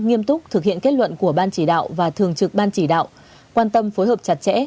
nghiêm túc thực hiện kết luận của ban chỉ đạo và thường trực ban chỉ đạo quan tâm phối hợp chặt chẽ